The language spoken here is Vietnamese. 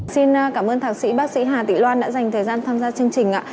xin cảm ơn thạc sĩ bác sĩ hà tị loan đã dành thời gian tham gia chương trình ạ